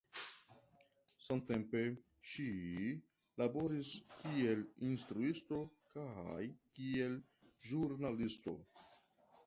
Samtempe ŝi laboris kiel instruisto kaj kiel ĵurnalisto.